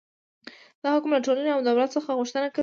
دا حکم له ټولنې او دولت څخه غوښتنه کوي.